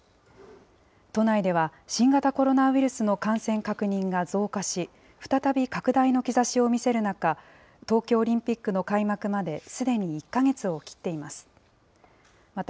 都内では、新型コロナウイルスの感染確認が増加し、再び拡大の兆しを見せる中、東京オリンピックの開幕まですでに１か月を切っています。